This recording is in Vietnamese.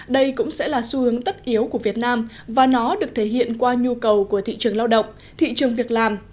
đây cũng sẽ là xu hướng tất yếu của việt nam và nó được thể hiện qua nhu cầu của thị trường lao động thị trường việc làm